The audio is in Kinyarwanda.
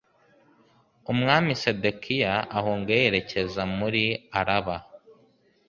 umwami Sedekiya ahunga yerekeza muri Araba